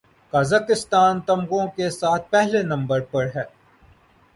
Kazakhstan تمغوں کے ساتھ پہلے نمبر پر رہا